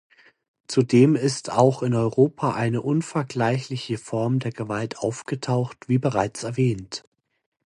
Zudem ist auch in Europa eine unvergleichliche Form der Gewalt aufgetaucht, wie bereits erwähnt.